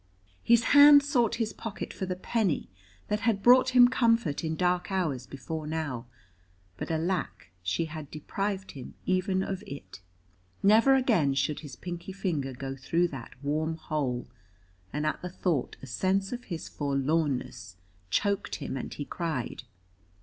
His hand sought his pocket for the penny that had brought him comfort in dark hours before now; but, alack, she had deprived him even of it. Never again should his pinkie finger go through that warm hole, and at the thought a sense of his forlornness choked him and he cried.